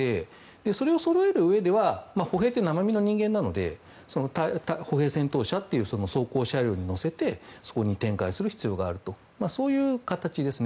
それをそろえるうえでは歩兵って生身の人間なので歩兵戦闘車という装甲車両に乗せてそこに展開する必要があるとそういう形ですね。